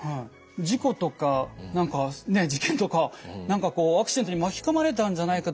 事故とか何か事件とか「何かこうアクシデントに巻き込まれたんじゃないか。